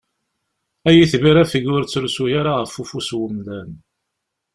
Ay itbir afeg ur ttrusu ara ɣef ufus n umdan!